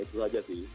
itu aja sih